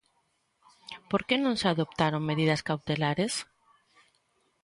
Por que non se adoptaron medidas cautelares?